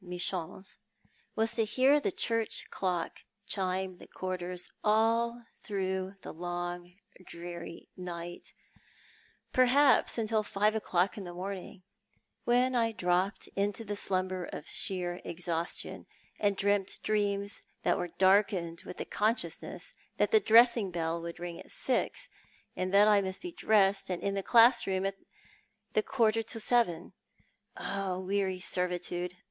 Michon's was to hear the church clock chime the quarters all through the long dreary night, perhaps until five o'clock in the morning, when I dropped into the slumber of sheer exhaustion, and dreamt dreams that were darkened with the consciousness that the dressing bell would ring at six, and that I must be dressed and in the class room at the quarter to seven. Oh, weary servitude!